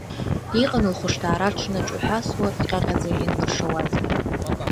Иҟан лыхәшҭаара дышныҽҳәасуа иҟьаҟьаӡа ианлыршауазгьы.